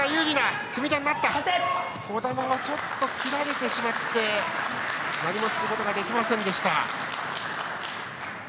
児玉、ちょっと切られてしまって何もすることができませんでした。